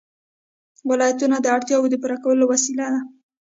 ولایتونه د اړتیاوو د پوره کولو وسیله ده.